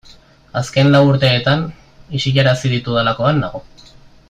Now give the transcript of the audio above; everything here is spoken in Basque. Azken lau urteetan isilarazi ditudalakoan nago.